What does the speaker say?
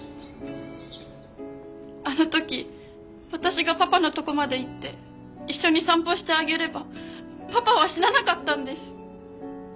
あの時私がパパのとこまで行って一緒に散歩してあげればパパは死ななかったんです！